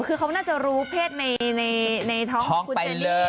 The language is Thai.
เขาน่าจะรู้เพศในท้องอีก